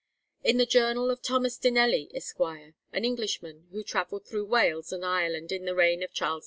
In the Journal of Thomas Dinelly, Esquire, an Englishman who travelled through Wales and Ireland in the reign of Charles II.